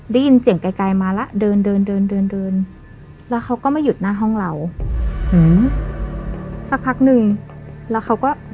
ได้ยินเสียงไกลมาแล้วเดินแล้วเขาก็มาหยุดหน้าห้องเรา